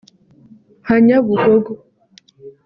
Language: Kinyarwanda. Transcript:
nka Nyabugogo